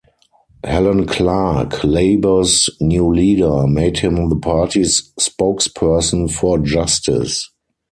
Helen Clark, Labour's new leader, made him the party's spokesperson for Justice.